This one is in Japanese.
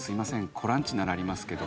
子ランチならありますけど」